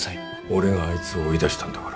俺があいつを追い出したんだから。